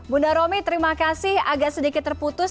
bunda romi terima kasih agak sedikit terputus